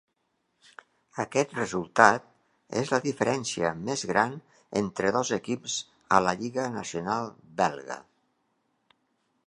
Aquest resultat és la diferència més gran entre dos equips a la lliga nacional belga.